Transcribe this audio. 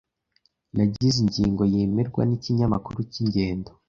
Nagize ingingo yemerwa nikinyamakuru cyingendo.